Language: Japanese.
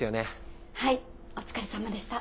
はいお疲れさまでした。